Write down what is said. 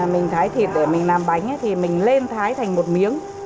mình thái thịt để mình làm bánh thì mình lên thái thành một miếng